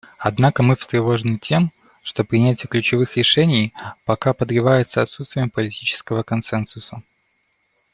Однако мы встревожены тем, что принятие ключевых решений пока подрывается отсутствием политического консенсуса.